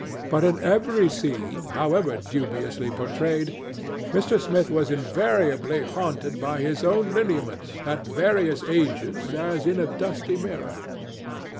But in every scene, however dubiously portrayed, Mr. Smith was invariably haunted by his own lineaments at various ages as in a dusty mirror.